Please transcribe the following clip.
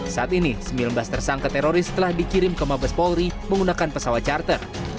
saat ini sembilan belas tersangka teroris telah dikirim ke mabes polri menggunakan pesawat charter